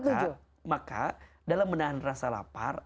maka dalam menahan rasa lapar